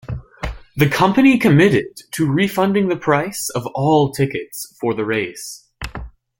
The company committed to refunding the price of all tickets for the race.